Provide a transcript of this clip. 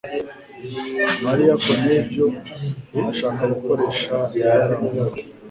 María Conejo ashaka gukoresha ibara-nkuru